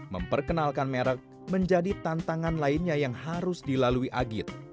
memperkenalkan merek menjadi tantangan lainnya yang harus dilalui agit